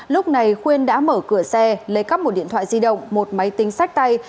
lúc này khuyên đã mở cửa xe lấy cắp một điện thoại di động một máy tính sách tay